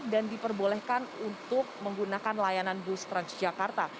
dan diperbolehkan untuk menggunakan layanan bus transjakarta